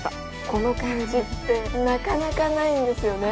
この感じってなかなかないんですよね。